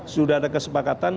sudah ada kesepakatan